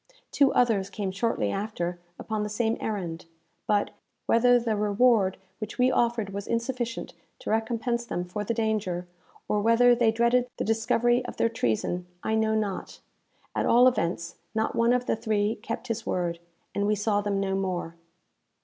Two others came shortly after upon the same errand; but, whether the reward which we offered was insufficient to recompense them for the danger, or whether they dreaded the discovery of their treason, I know not at all events, not one of the three kept his word, and we saw them no more.